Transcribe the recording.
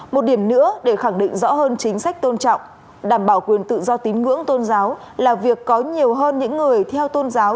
một điểm nữa để khẳng định rõ hơn chính sách tôn trọng đảm bảo quyền tự do tín ngưỡng tôn giáo là việc có nhiều hơn những người theo tôn giáo